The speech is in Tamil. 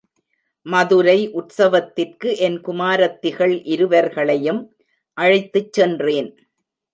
மதுரை உற்சவத்திற்கு என் குமாரத்திகள் இருவர்களையும் அழைத்துச் சென்றேன்.